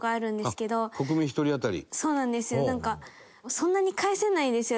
そんなに返せないですよ